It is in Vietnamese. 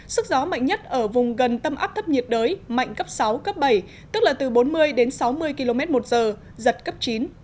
sức gió mạnh nhất ở vùng gần tâm áp thấp nhiệt đới mạnh cấp sáu cấp bảy tức là từ bốn mươi đến sáu mươi km một giờ giật cấp chín